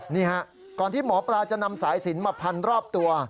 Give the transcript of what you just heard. นี่ฮะก่อนที่หมอปลาจะนำสายสินมาพันรอบตัว